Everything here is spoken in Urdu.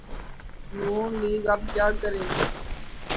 ن لیگ اب کیا کرے؟